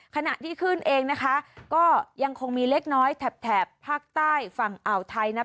ขณะที่ขึ้นเองนะคะก็ยังคงมีเล็กน้อยแถบภาคใต้ฝั่งอ่าวไทยนะ